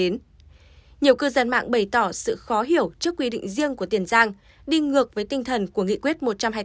nhiều cư dân mạng bày tỏ sự khó hiểu trước quy định riêng của tiền giang đi ngược với tinh thần của nghị quyết một trăm hai mươi tám